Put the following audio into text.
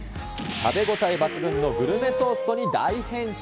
食べ応え抜群のグルメトーストに大変身。